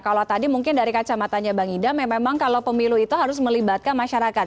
kalau tadi mungkin dari kacamata nya mbak nidam memang kalau pemilu itu harus melibatkan masyarakat